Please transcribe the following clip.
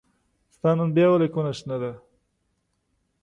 ستا نن بيا ولې کونه شنه ده